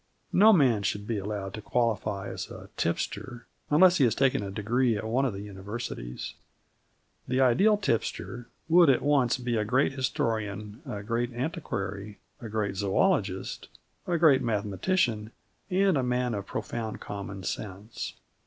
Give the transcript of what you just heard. No man should be allowed to qualify as a tipster unless he has taken a degree at one of the Universities. The ideal tipster would at once be a great historian a great antiquary, a great zoologist, a great mathematician, and a man of profound common sense.